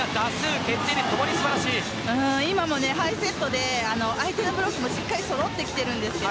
今もハイセットで相手のブロックもそろってきているんです。